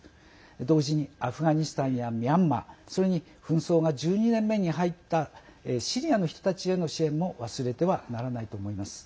同時にアフガニスタンやミャンマーそれに紛争が１２年目に入ったシリアの人たちへの支援も忘れてはならないと思います。